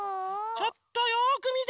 ちょっとよくみてて！